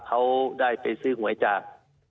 เขาได้ไปซื้อหวยจาก